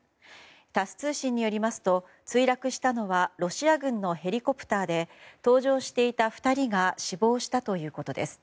タス通信によりますと墜落したのはロシア軍のヘリコプターで搭乗していた２人が死亡したということです。